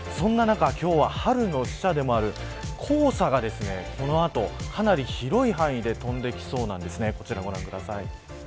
そんな中、今日は春の使者でもある黄砂がこの後、かなり広い範囲で飛んできそうです。